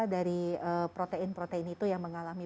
dari protein protein itu yang mengalami